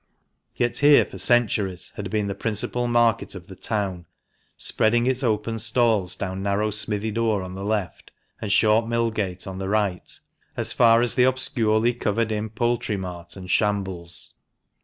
Yet here, for centuries, had been the principal market of the town, spreading its open stalls down narrow Smithy Door on the left, and Short Millgate on the right as far as the obscurely covered in poultry mart and shambles.